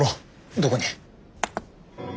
どこに？